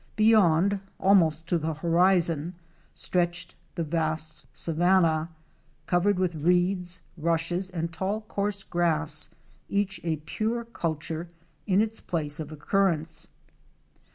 Be yond, almost to the horizon, stretched the vast savanna, covered with reeds, rushes and tall coarse grass, each a pure culture in its place of occurrence.